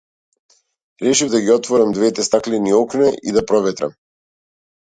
Решив да ги отворам двете стаклени окна и да проветрам.